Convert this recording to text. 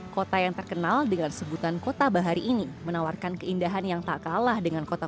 kota yang terkenal dengan sebutan kota bahari ini menawarkan keindahan yang tak kalah dengan kota